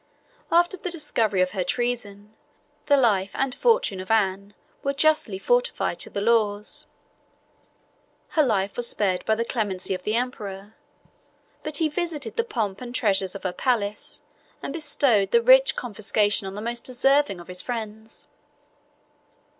After the discovery of her treason, the life and fortune of Anne were justly forfeited to the laws. Her life was spared by the clemency of the emperor; but he visited the pomp and treasures of her palace, and bestowed the rich confiscation on the most deserving of his friends.